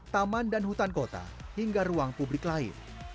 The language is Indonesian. taman dan hutan kota hingga ruang publik lain